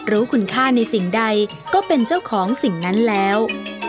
รู้คุณค่าในสิ่งใดก็เป็นเจ้าของสิ่งนั้นแล้ว